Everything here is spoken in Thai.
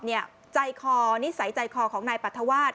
ในใจคอนิสัยของนายปฏธวาส